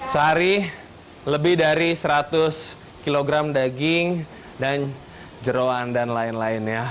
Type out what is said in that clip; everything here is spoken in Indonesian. sehari lebih dari seratus kg daging dan jerawan dan lain lainnya